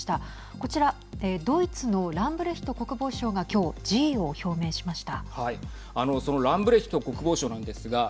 こちら、ドイツのランブレヒト国防相が今日辞意を表明しました。